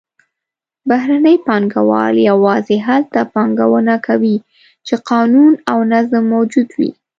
بهرني پانګهوال یوازې هلته پانګونه کوي چې قانون او نظم موجود وي.